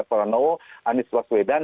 pak solano anies waswedan